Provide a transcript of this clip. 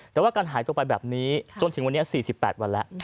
แต่ว่าการหายตัวไปแบบนี้จนถึงวันนี้๔๘วันแล้ว